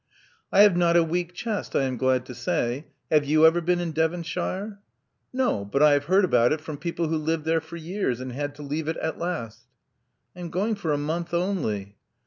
"I have not a weak chest I am glad to say. Have you ever been in Devonshire?" "No. But 1 have heard about it from people who lived there for years, and had to leave it at last" "I am going for a month only."